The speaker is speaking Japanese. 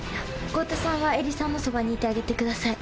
ゴウタさんは恵理さんのそばにいてあげてください。